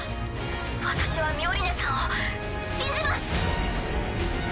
私はミオリネさんを信じます！